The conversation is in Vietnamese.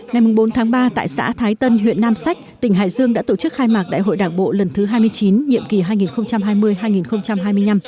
ngày bốn tháng ba tại xã thái tân huyện nam sách tỉnh hải dương đã tổ chức khai mạc đại hội đảng bộ lần thứ hai mươi chín nhiệm kỳ hai nghìn hai mươi hai nghìn hai mươi năm